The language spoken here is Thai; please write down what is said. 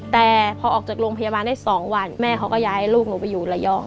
แต่พอออกจากโรงพยาบาลได้๒วันแม่เขาก็ย้ายลูกหนูไปอยู่ระยอง